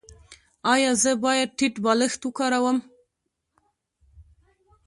ایا زه باید ټیټ بالښت وکاروم؟